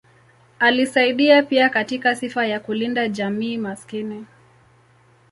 Alisaidia pia katika sifa ya kulinda jamii maskini.